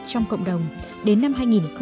trong cộng đồng đến năm hai nghìn hai mươi